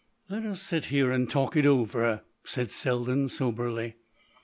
"Let us sit here and talk it over," said Selden soberly.